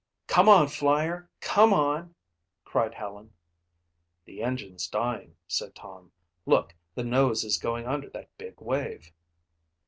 "Come on, Flyer, come on!" cried Helen. "The engine's dying," said Tom. "Look, the nose is going under that big wave."